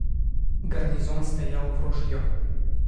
Гарнизон стоял в ружье.